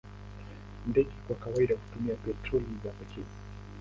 Ndege kwa kawaida hutumia petroli za pekee.